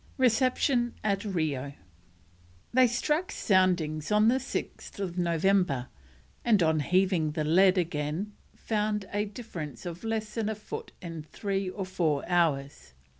RECEPTION AT RIO. They struck soundings on 6th November, and on heaving the lead again found a difference of less than a foot in three or four hours.